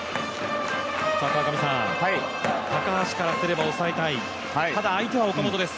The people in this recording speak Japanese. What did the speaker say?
高橋からすれば抑えたい、ただ相手は岡本です。